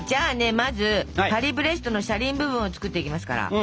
まずパリブレストの車輪部分を作っていきますから。